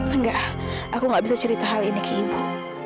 enggak aku gak bisa cerita hal ini ke ibu